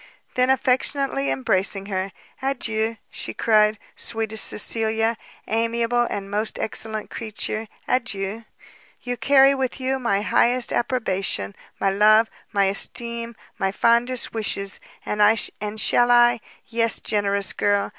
Then affectionately embracing her, "Adieu," she cried, "sweetest Cecilia, amiable and most excellent creature, adieu! you, carry with you my highest approbation, my love, my esteem, my fondest wishes! and shall I yes, generous girl!